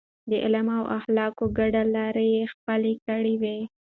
د علم او اخلاقو ګډه لار يې خپله کړې وه.